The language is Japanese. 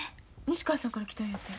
西川さんから来たんやて。